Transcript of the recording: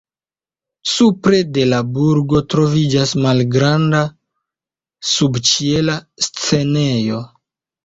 Supre de la burgo troviĝas malgranda subĉiela scenejo.